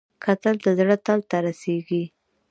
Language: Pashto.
کتل د زړه تل ته رسېږي